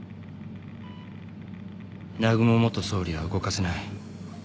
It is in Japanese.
南雲元総理は動かせない。